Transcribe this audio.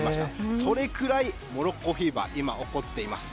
それくらいモロッコフィーバー起こっています。